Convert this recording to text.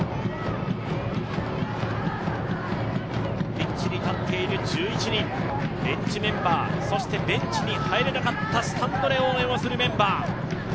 ピッチに立っている１１人、ベンチメンバー、そしてベンチに入れなかったスタンドで応援をするメンバー。